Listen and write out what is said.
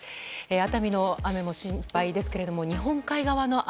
熱海の雨も心配ですけれども日本海側の雨